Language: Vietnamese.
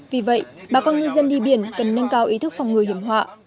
vì vậy bà con ngư dân đi biển cần nâng cao ý thức phòng người hiểm họa